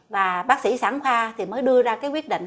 và bác sĩ sản khoa thì mới đưa ra cái quyết định